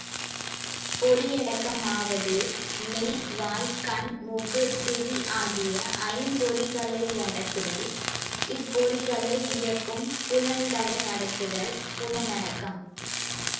பொறியடக்கமாவது மெய், வாய், கண், மூக்கு, செவி ஆகிய ஐம்பொறிகளையடக்குதல் இப்பொறிகளை இயக்கும் புலன்களை அடக்குதல் புலனடக்கம்.